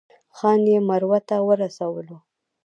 ځان یې مروه ته ورسولو.